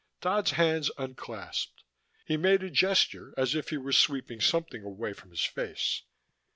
Dodd's hands unclasped: he made a gesture as if he were sweeping something away from his face.